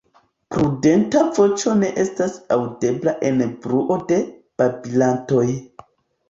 Prudenta voĉo ne estas aŭdebla en la bruo de babilantoj.